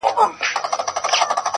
سړیتوب کي دغه شان د مردانه دی,